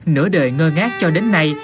nửa đời ngơ ngát cho đến nay